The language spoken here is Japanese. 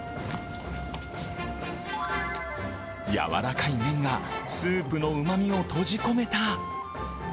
柔らかい麺がスープのうまみを閉じ込めた。